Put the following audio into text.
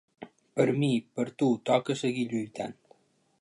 Per mi, per tu, toca seguir lluitant.